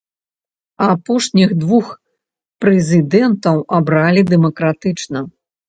Апошніх двух прэзідэнтаў абралі дэмакратычна.